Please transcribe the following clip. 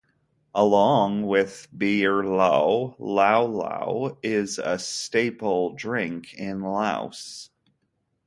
Along with Beerlao, lao-Lao is a staple drink in Laos.